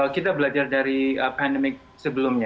kita belajar dari pandemik sebelumnya